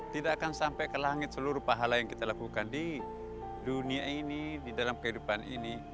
tidak akan sampai ke langit seluruh pahala yang kita lakukan di dunia ini di dalam kehidupan ini